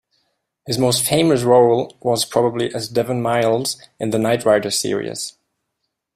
His most famous role was probably as Devon Miles in the Knight Rider series.